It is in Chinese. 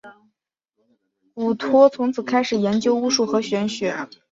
古托从此开始研究巫术和玄学。